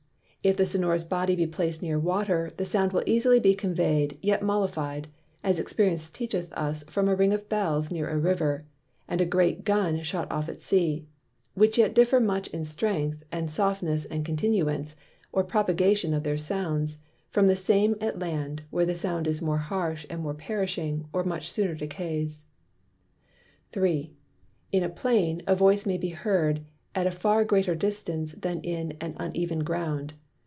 If the Sonorous Body be plac'd near Water, the Sound will easily be convey'd, yet mollified; as Experience teacheth us from a Ring of Bells near a River, and a great Gun shot off at Sea, which yet differ much in the strength, and softness and continuance, or propagation of their Sounds, from the same at Land, where the Sound is more harsh and more perishing, or much sooner decays. 3. In a Plain a Voice may be heard at a far greater distance than in uneven Ground.